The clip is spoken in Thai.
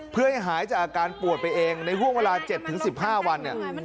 เพื่อให้หายจากอาการปวดไปเองในห่วงเวลา๗๑๕วันเนี่ย